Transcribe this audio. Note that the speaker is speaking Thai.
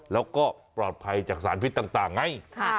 แล้วก็ปลอดภัยจากสารพิษต่างไง